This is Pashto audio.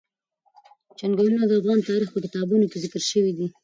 چنګلونه د افغان تاریخ په کتابونو کې ذکر شوی دي.